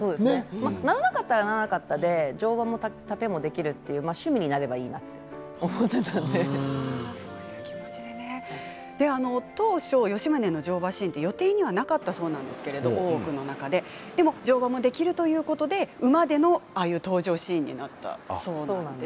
ならなかったらならなかったで乗馬も殺陣もできると、趣味になればいいなと当初、吉宗の乗馬シーンは予定にはなかったそうなんですけど「大奥」の中でいつでも乗馬もできるということで馬でのああいう登場シーンになったそうです。。